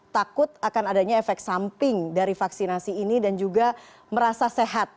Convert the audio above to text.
takut akan adanya efek samping dari vaksinasi ini dan juga merasa sehat